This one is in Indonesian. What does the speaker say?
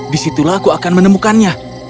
disitulah aku akan menemukannya